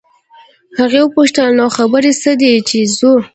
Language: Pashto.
هغې وپوښتل نو خبره څه ده چې ځو.